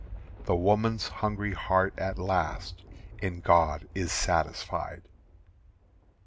The woman's hungry heart at last In God is satisfied.